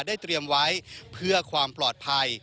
เตรียมไว้เพื่อความปลอดภัย